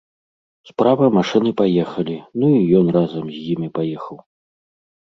Справа машыны паехалі, ну і ён разам з імі паехаў.